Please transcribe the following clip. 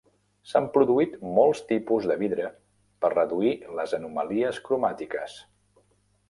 S'han produït molts tipus de vidre per reduir les anomalies cromàtiques.